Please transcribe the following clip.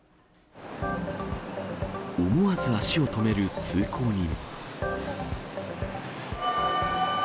思わず足を止める通行人。